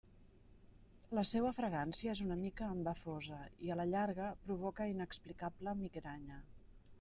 La seua fragància és una mica embafosa, i a la llarga provoca inexplicable migranya.